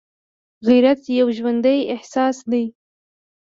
غیرت یو ژوندی احساس دی